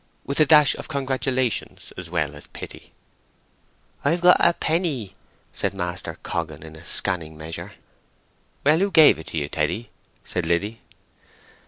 with a dash of congratulation as well as pity. "I've got a pen nee!" said Master Coggan in a scanning measure. "Well—who gave it you, Teddy?" said Liddy.